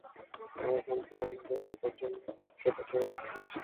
আর এখন তুই আমাদের সুখের জন্য সেটা ছেড়ে দিচ্ছিস?